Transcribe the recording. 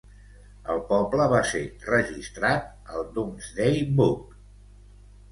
El poble va ser registrat al Domesday Book.